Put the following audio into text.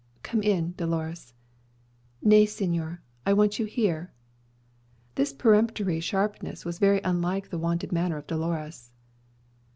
"Come in, Dolores." "Nay, señor, I want you here." This peremptory sharpness was very unlike the wonted manner of Dolores.